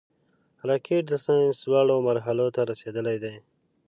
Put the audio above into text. راکټ د ساینس لوړو مرحلو ته رسېدلی دی